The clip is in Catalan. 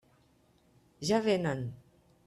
Ja vénen!